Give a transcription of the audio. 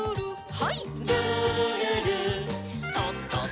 はい。